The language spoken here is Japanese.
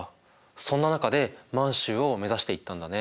そんな中で満洲を目指していったんだね。